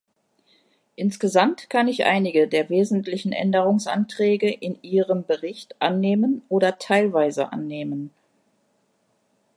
Insgesamt kann ich einige der wesentlichen Änderungsanträge in Ihrem Bericht annehmen oder teilweise annehmen.